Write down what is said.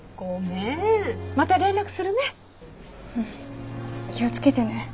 うん気を付けてね。